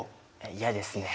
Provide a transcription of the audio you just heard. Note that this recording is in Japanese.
嫌ですね。